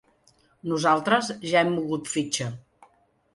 Nosaltres ja hem mogut fitxa.